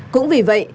cũng vì vậy